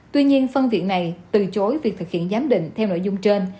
tuy nhiên phân viện này từ chối việc thực hiện giám định theo nội dung trên